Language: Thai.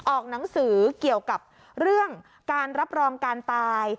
ออกหนังสือเกี่ยวกับเรื่องการรับรองการตาย